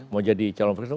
mau jadi calon presiden